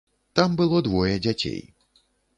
Там было двое дзяцей.